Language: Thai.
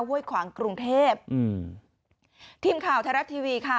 ห้วยขวางกรุงเทพอืมทีมข่าวไทยรัฐทีวีค่ะ